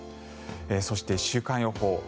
そして、週間予報。